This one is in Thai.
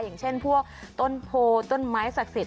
อย่างเช่นพวกต้นโพต้นไม้ศักดิ์สิท